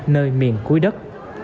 nơi miền cuối đất